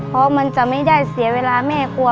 เพราะมันจะไม่ได้เสียเวลาแม่กลัว